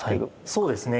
そうですね。